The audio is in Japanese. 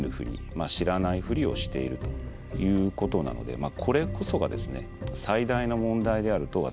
まあ知らないふりをしているということなのでこれこそが最大の問題であると私は思っています。